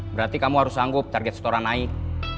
berarti kamu harus sanggup target setoran naik